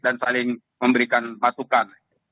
dan saling memberikan atukan